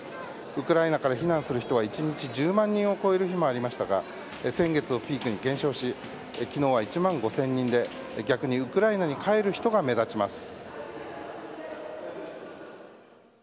ウクライナから避難する人は一日１０万人を超える日もありましたが先月をピークに減少し昨日は１万５０００人で逆にウクライナに帰る人が目立ちます。